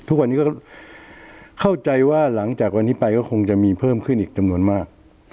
ทุกวันนี้ก็เข้าใจว่าหลังจากวันนี้ไปก็คงจะมีเพิ่มขึ้นอีกจำนวนมาก